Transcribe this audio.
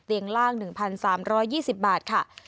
เตียงล่าง๑๓๒๐บาทค่ะ